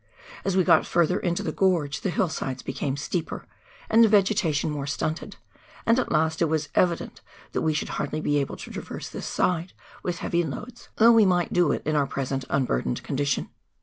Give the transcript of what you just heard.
As we got further into the gorge, the hillsides became steeper and the vegetation more stunted, and at last it was evi dent that we should hardly be able to traverse this side with heavy loads, thovigh we might do it in our present unburdened condition.